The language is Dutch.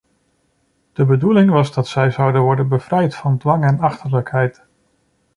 De bedoeling was dat zij zouden worden bevrijd van dwang en achterlijkheid.